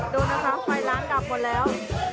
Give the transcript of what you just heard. ดูนะคะไฟล้างดับหมดแล้ว